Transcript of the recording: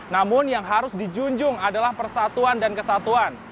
namun yang harus dijunjung adalah persatuan dan kesatuan